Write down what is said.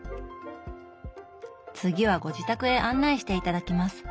次はご自宅へ案内して頂きます。